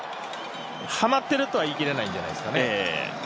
はまってるとは言い切れないんじゃないですかね